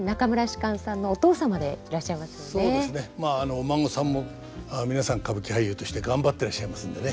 お孫さんも皆さん歌舞伎俳優として頑張ってらっしゃいますんでね